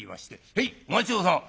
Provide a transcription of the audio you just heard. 「へいお待ち遠さま」。